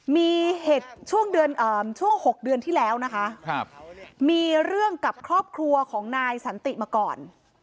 มีเหตุช่วงเดือนเอ่อช่วงหกเดือนที่แล้วนะคะครับมีเรื่องกับครอบครัวของนายสันติมาก่อน